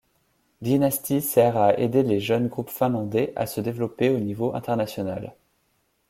Dynasty sert à aider les jeunes groupes finlandais à se développer au niveau international.